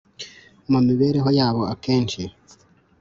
Mu mibereho yabo akenshi